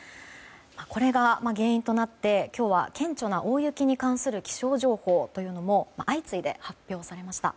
これが原因となって、今日は顕著な大雪に関する気象情報も相次いで発表されました。